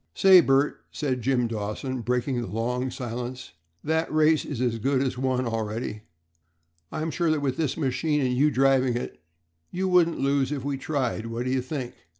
"Say, Bert," said Jim Dawson, breaking the long silence, "that race is as good as won already. I'm sure that with this machine and you driving it, we couldn't lose if we tried. What do you think?"